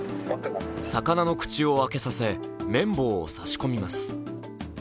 魚の口を開けさせ綿棒を差し込みます。